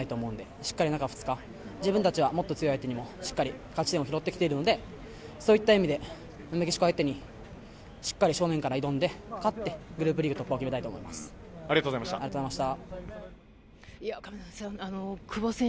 しっかり中２日自分たちは、もっと強い相手にも勝ち点を拾ってきているのでそういった意味でメキシコ相手にしっかり正面から挑んで勝ってグループリーグいや、亀梨さん。